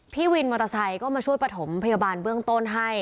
พี่วินมอเตอร์ไซค์ก็มาช่วยประถมพยาบาลเบื้องต้นให้